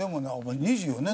２４年。